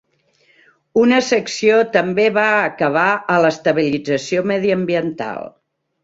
Una secció també va acabar a l"estabilització mediambiental.